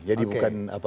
jadi bukan jelas ya